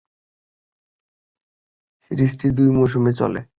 সিরিজটি দুই মৌসুম চলে।